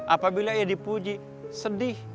apabila ya dipuji sedih